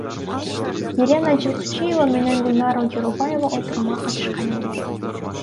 Елена Жылкычыева менен Гүлнара Жоробаева отурумга катышкан эмес.